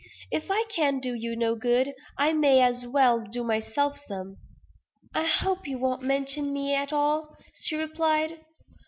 If I can do you no good, I may as well do myself some." "I hope you won't mention me at all," she replied.